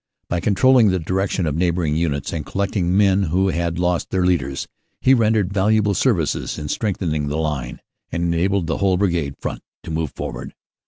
By controlling the direction of neighboring units and collecting men who had lost their leaders, he rendered valuable services in strengthening the line, and enabled the whole Brigade front to move forward.